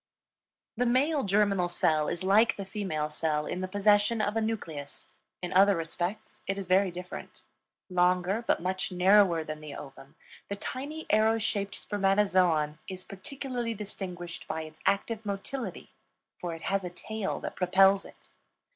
The male germinal cell is like the female cell in the possession of a nucleus; in other respects it is very different. Longer but much narrower than the ovum, the tiny arrow shaped spermatozoon is particularly distinguished by its active motility, for it has a tail that propels it.